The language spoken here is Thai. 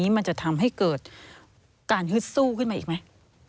มันจะทำให้เกิดการฮึดสู้ขึ้นมาอีกไหม